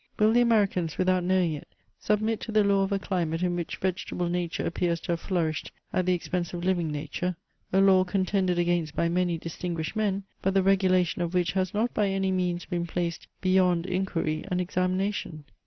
Will the Americans, without knowing it, submit to the law of a climate in which vegetable nature appears to have flourished at the expense of living nature ; a law con tended against by many distinguished men, but the regulation of which has not by any means been placed beyond inquiry and ex amination